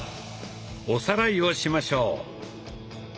おさらいをしましょう。